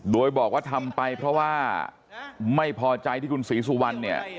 โดยบอกว่าทำไปเพราะว่าไม่พอใจที่คุณศรีสุวรรณเนี่ย